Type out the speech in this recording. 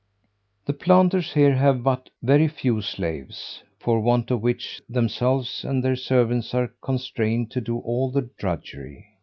The planters here have but very few slaves; for want of which, themselves and their servants are constrained to do all the drudgery.